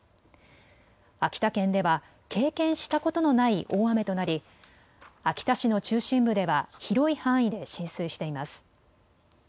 秋田県では経験したことのない大雨となり秋田市の中心部では広い範囲で浸水しています。